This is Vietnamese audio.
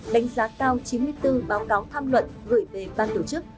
đánh giá cao chín mươi bốn báo cáo tham luận gửi về ban tổ chức